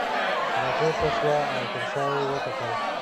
راپورته شوه او تر شاه یې وکتل.